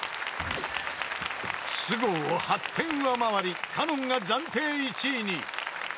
［菅生を８点上回り香音が暫定１位に］